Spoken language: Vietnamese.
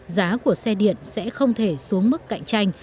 giá của xe điện sẽ không thể xuống mức cạnh tranh